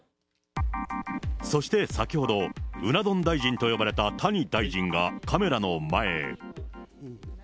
そして先ほど、うな丼大臣と呼ばれた谷大臣が、カメラの前へ。